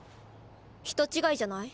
人違いじゃない？